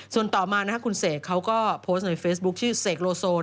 ส่วนต่อมานะครับคุณเสกเขาก็โพสต์ในเฟซบุ๊คชื่อเสกโลโซ